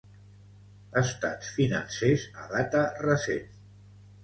Estats financers a data recent.